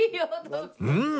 うん！